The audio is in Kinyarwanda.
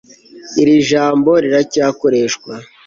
Iri jambo riracyakoreshwa